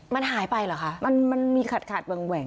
มันหายไปเหรอคะมันมีขาดขาดแหว่ง